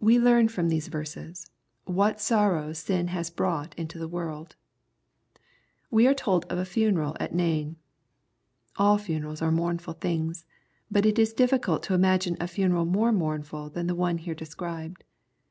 We learn from these verses, what sorrow sin has brought into the world. We are told of a funeral at Nain. All funerals are mournful things, but it is difficult to im agine a funeral more mournful than the one here described.